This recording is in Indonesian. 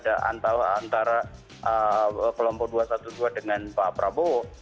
antara kelompok dua ratus dua belas dengan pak prabowo